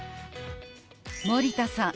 森田さん